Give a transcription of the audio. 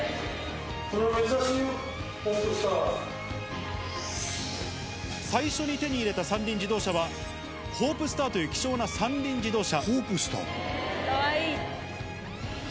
これ、珍しいよ、ホープスタ最初に手に入れた三輪自動車は、ホープスターという希少な三輪自動車。